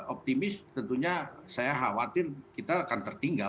optimis tentunya saya khawatir kita akan tertinggal